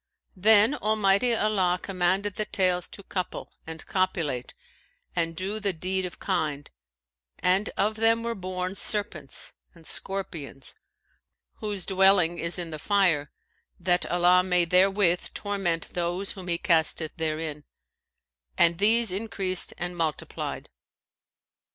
Then Almighty Allah commanded the tails to couple and copulate and do the deed of kind, and of them were born serpents and scorpions, whose dwelling is in the fire, that Allah may there with torment those whom He casteth therein; and these increased and multiplied.